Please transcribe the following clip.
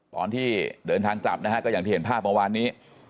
ตอนที่เดินทางกลับนะฮะก็อย่างที่เห็นภาพเมื่อวานนี้